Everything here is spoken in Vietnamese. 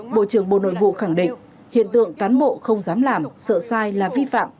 bộ trưởng bộ nội vụ khẳng định hiện tượng cán bộ không dám làm sợ sai là vi phạm